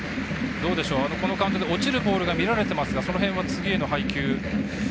このカウントで落ちるボールが見られていますがその辺は、次への配球は。